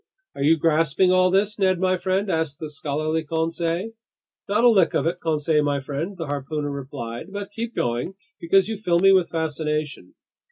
"Are you grasping all this, Ned my friend?" asked the scholarly Conseil. "Not a lick of it, Conseil my friend," the harpooner replied. "But keep going, because you fill me with fascination."